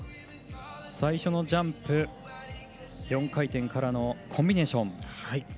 最初のジャンプ４回転からのコンビネーション。